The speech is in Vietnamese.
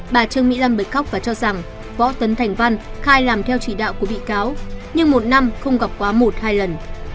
bà trương mỹ lâm bật khóc và cho rằng võ tấn thành văn khai làm theo chỉ đạo của bị cáo nhưng một năm không gặp quá một hai lần